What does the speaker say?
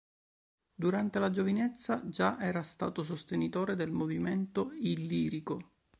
Durante la giovinezza già era stato sostenitore del Movimento illirico.